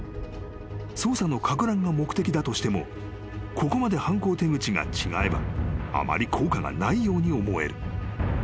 ［捜査のかく乱が目的だとしてもここまで犯行手口が違えばあまり効果がないように思える］